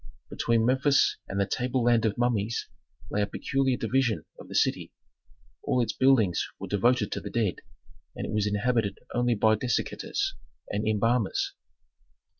Between Memphis and the "Tableland of Mummies," lay a peculiar division of the city. All its buildings were devoted to the dead, and it was inhabited only by dissectors and embalmers.